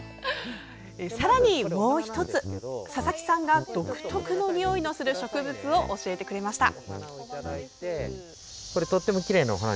さらにもう１つ佐々木さんが独特のにおいのする植物を教えてくれました。